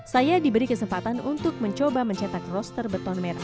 saya diberi kesempatan untuk mencoba mencetak roster beton merah